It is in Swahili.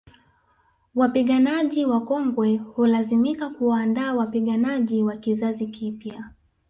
Wapiganaji wakongwe hulazimika kuwaandaa wapiganaji wa kizazi kipya